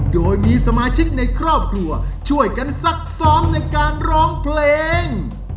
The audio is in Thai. โดยมีสมาชิกในครอบครัวช่วยกันซักซ้อมในการร้องเพลง